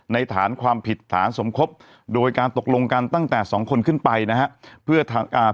ในฐานความผิดฐานสมคบโดยการตกลงกันตั้งแต่๒คนขึ้นไปนะครับ